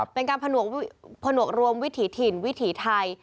เป็นการผนวกรวมวิถีถิ่นวิถีไทย